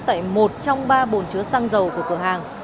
tại một trong ba bồn chứa xăng dầu của cửa hàng